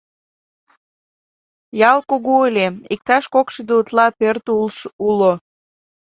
Ял кугу ыле, иктаж кокшӱдӧ утла пӧрт уло.